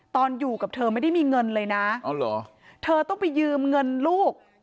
ตอนอยู่กับเธอไม่ได้มีเงินเลยนะเธอต้องไปยืมเงินลูก